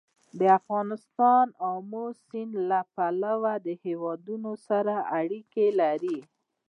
افغانستان د آمو سیند له پلوه له هېوادونو سره اړیکې لري.